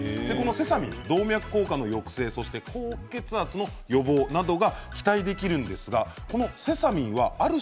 セサミン、動脈硬化の抑制そして高血圧の予防などが期待できるんですがセサミンはある